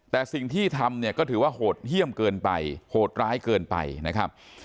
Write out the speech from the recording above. แต่สิ่งที่ทำเนี่ยก็ถือว่าโหดเยี่ยมเกินไปโหดร้ายเกินไปนะครับ